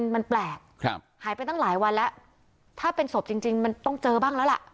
มันแปลกหายไปตั้งหลายวันแล้วถ้าเป็นศพจริงจริงมันต้องเจอบ้างแล้วล่ะ